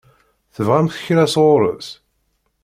Tebɣamt kra sɣur-s?